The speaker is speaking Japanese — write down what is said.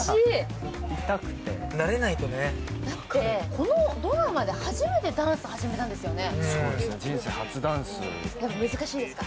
このドラマで初めてダンス始めたんですよね。